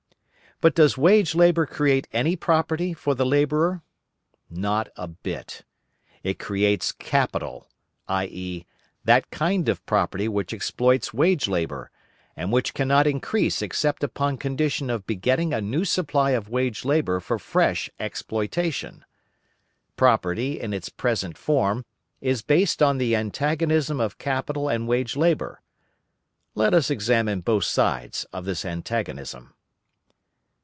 But does wage labour create any property for the labourer? Not a bit. It creates capital, i.e., that kind of property which exploits wage labour, and which cannot increase except upon condition of begetting a new supply of wage labour for fresh exploitation. Property, in its present form, is based on the antagonism of capital and wage labour. Let us examine both sides of this antagonism.